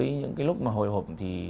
với những cái lúc mà hồi hộp thì